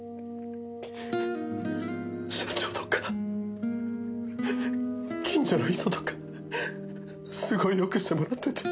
社長とか近所の人とかすごいよくしてもらってて。